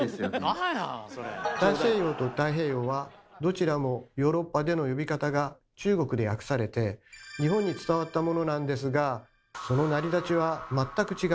「大西洋」と「太平洋」はどちらもヨーロッパでの呼び方が中国で訳されて日本に伝わったものなんですがその成り立ちは全く違うんです。